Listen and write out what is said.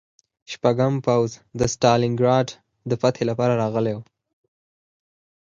شپږم پوځ د ستالینګراډ د فتحې لپاره راغلی و